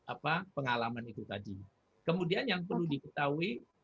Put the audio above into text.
apa pengalaman itu tadi kemudian yang perlu diketahui